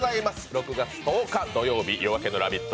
６月１０日土曜日、「夜明けのラヴィット！」